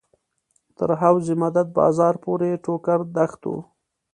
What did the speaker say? تر حوض مدد بازار پورې ټوکر دښت و.